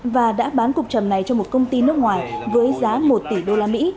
và đã bán cục trầm này cho một công ty nước ngoài với giá một tỷ usd